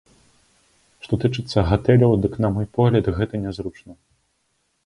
Што тычыцца гатэляў, дык на мой погляд, гэта нязручна.